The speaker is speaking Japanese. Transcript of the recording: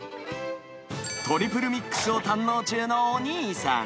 トリプルミックスを堪能中のお兄さん。